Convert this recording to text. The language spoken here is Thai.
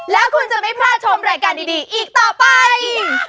แล้วคุณจะไม่พลาดชมรายการดีอีกต่อไป